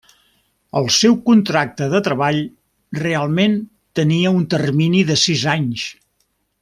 El seu contracte de treball realment tenia un termini de sis anys.